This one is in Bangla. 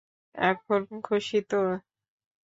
এখন খুশি তো?